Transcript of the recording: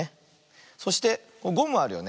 そしてゴムあるよね。